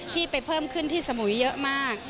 ที่ไปเพิ่มขึ้นที่สมุยเยอะมาก